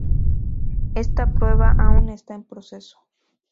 Esta prueba aún está en proceso.